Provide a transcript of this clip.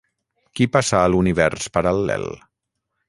Qui passa a l'univers paral·lel?